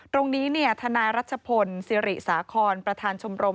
ตรงนี้ทนายรัชพลศิริสาคอนประธานชมรม